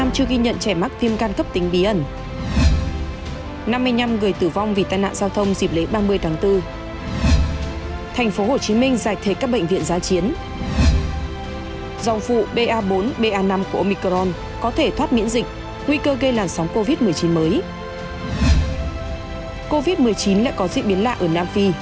các bạn hãy đăng kí cho kênh lalaschool để không bỏ lỡ những video hấp dẫn